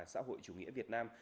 xã hội chủ nghĩa việt nam